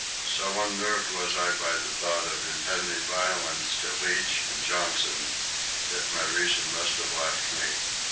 So unnerved was I by the thought of impending violence to Leach and Johnson that my reason must have left me.